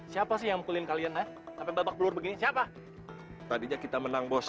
siapa sih yang mukulin kalian ya sampai babak belur begini siapa tadinya kita menang bos